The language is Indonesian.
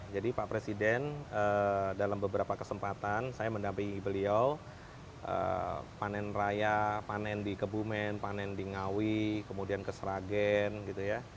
jadi pak presiden dalam beberapa kesempatan saya mendampingi beliau panen raya panen di kebumen panen di ngawi kemudian ke sragen gitu ya